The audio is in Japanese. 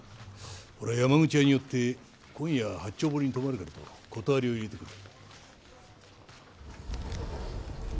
俺は山口屋に寄って今夜は八丁堀に泊まるからと断りを入れてくる。